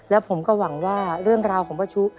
แล้วผมก็หวังว่าเรื่องราวของป้าชุ